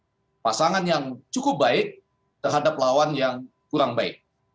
dengan pasangan yang cukup baik terhadap lawan yang kurang baik